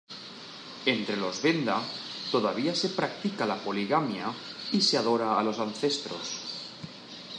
Entre los venda todavía se practica la poligamia y se adora a los ancestros.